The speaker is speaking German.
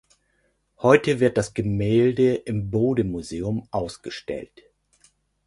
Heute wird das Gemälde im Bode-Museum ausgestellt.